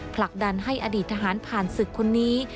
ผลักดันให้อดีตทหารผ่านศึกคนนี้